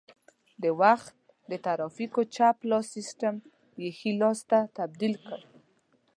د وخت د ترافیکو چپ لاس سیسټم یې ښي لاس ته تبدیل کړ